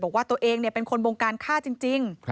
บอกว่าตัวเองเป็นคนบงการฆ่าจริง